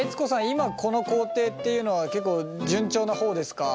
今この工程っていうのは結構順調な方ですか？